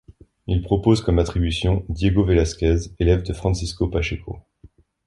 Il propose comme attribution Diego Vélasquez, élève de Francisco Pacheco.